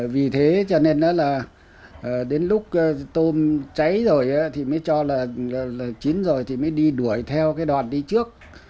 vì thế cho nên đến lúc tôm cháy rồi thì mới cho là chín rồi đi đuổi theo đoàn đi trước